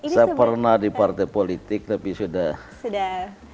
saya pernah di partai politik tapi sudah